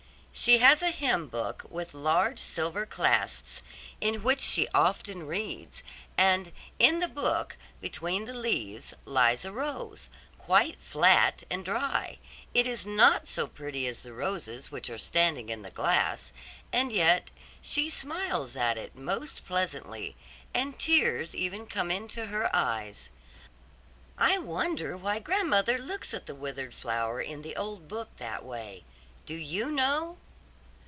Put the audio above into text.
She has a hymn book with large silver clasps, in which she often reads; and in the book, between the leaves, lies a rose, quite flat and dry; it is not so pretty as the roses which are standing in the glass, and yet she smiles at it most pleasantly, and tears even come into her eyes. "I wonder why grandmother looks at the withered flower in the old book that way? Do you know?"